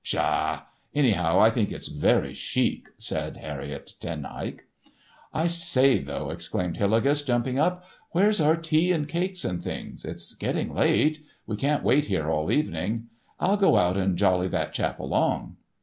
Pshaw! Anyhow I think it's very chic," said Harriett Ten Eyck. "I say, though!" exclaimed Hillegas, jumping up; "where's our tea and cakes and things? It's getting late. We can't wait here all evening. I'll go out and jolly that chap along."